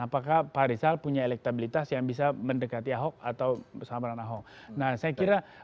apakah pak rizal punya elektabilitas yang bisa mendekati ahok atau bersama dengan ahok